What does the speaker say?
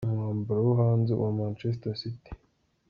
Umwambaro wo hanze wa Manchester City